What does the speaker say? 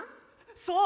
そう！